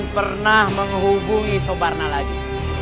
pernah menghubungi sobarna lagi